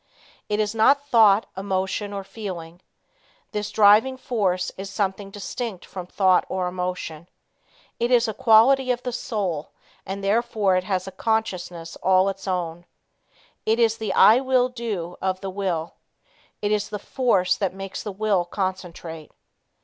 It is not thought, emotion or feeling. This driving force is something distinct from thought or emotion. It is a quality of the soul and therefore it has a consciousness all its own. It is the "I will do" of the will. It is the force that makes the will concentrate.